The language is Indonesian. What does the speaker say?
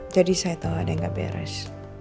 jadi saya tau ada yang gak beres